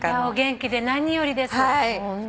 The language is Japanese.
お元気で何よりです。